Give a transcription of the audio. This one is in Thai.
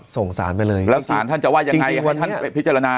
ส่งสารไปเลยแล้วสารท่านจะว่ายังไงว่าท่านไปพิจารณา